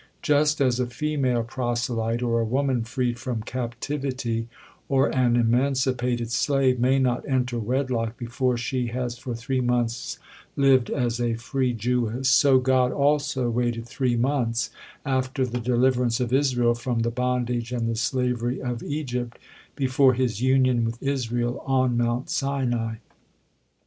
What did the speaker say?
Just as a female proselyte, or a woman freed from captivity, or an emancipated slave, may not enter wedlock before she has for three months lived as a free Jewess, so God also waited three months after the deliverance of Israel from the bondage and the slavery of Egypt, before His union with Israel on Mount Sinai.